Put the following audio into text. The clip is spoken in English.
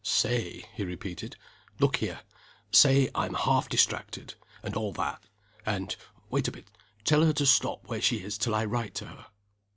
"Say?" he repeated. "Look here! say I'm half distracted, and all that. And wait a bit tell her to stop where she is till I write to her."